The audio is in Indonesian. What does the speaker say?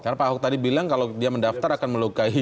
karena pak ahok tadi bilang kalau dia mendaftar akan melukai